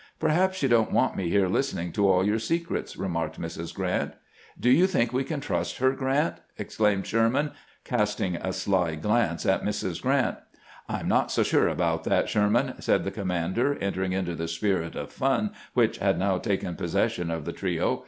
" Perhaps you don't want me here hstening to all your secrets," remarked Mrs. Grrant. " Do you think we can trust her, Grrant ?" ex claimed Sherman, casting a sly glance at Mrs. Grrant. " I 'm not so sure about that, Sherman," said the com mander, entering into the spirit of fun which had now taken possession of the trio.